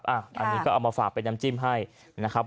อันนี้ก็เอามาฝากเป็นน้ำจิ้มให้นะครับ